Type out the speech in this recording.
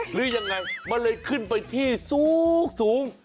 หรือยังไงมันเลยขึ้นไปที่สูง